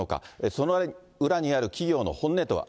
その裏にある企業の本音とは。